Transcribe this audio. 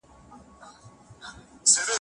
مینه خپل ځای یو بل احساس ته بښی